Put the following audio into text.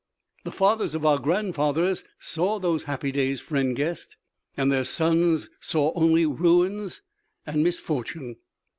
"The fathers of our grandfathers saw those happy days, friend guest." "And their sons saw only ruins and misfortune!